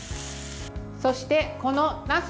そして、このなす。